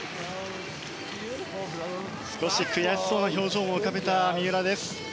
少し悔しそうな表情を浮かべた三浦です。